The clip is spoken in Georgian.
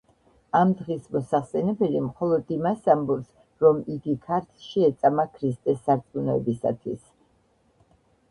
ამ დღის მოსახსენებელი მხოლოდ იმას ამბობს, რომ იგი ქართლში ეწამა ქრისტეს სარწმუნოებისათვის.